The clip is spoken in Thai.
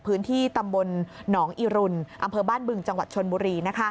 พื้นที่ตำบลหนองอิรุณอำเภอบ้านบึงจังหวัดชนบุรี